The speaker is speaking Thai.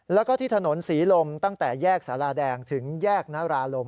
แล้วก็ที่ถนนศรีลมตั้งแต่แยกสาราแดงถึงแยกนาราลม